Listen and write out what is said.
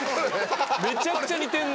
めちゃくちゃ似てんな。